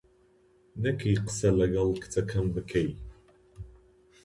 نەکەی قسە لەگەڵ کچەکەم بکەی.